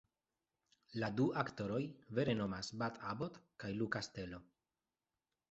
La du aktoroj vere nomas Bud Abbott kaj Lou Castello.